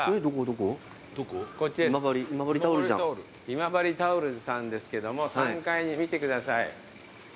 今治タオルさんですけども３階見てください。